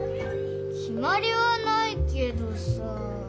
きまりはないけどさ。